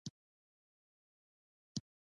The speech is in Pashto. موخه راتلونکې ته د لارې نقشه ده.